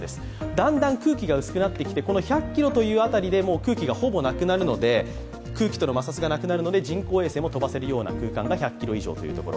だんだん空気が薄くなってきて、１００ｋｍの辺りでもう空気との摩擦がほぼなくなるので人工衛星も飛ばせるような空間が１００ｋｍ以上というところ。